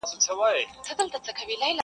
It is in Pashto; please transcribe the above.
په هغه دم به مي تا ته وي راوړی!.